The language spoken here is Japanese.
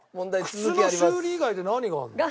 靴の修理以外で何があるの？